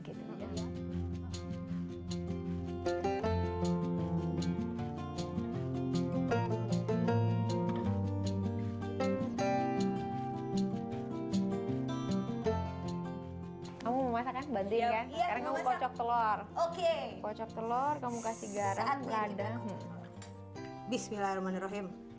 kamu masakan banding ya karena kau kocok telur oke kocok telur kamu kasih garam lada bismillahirrohmanirrohim